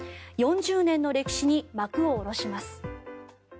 ４０年の歴史に幕を下ろします。